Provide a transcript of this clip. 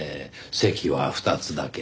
席は２つだけ。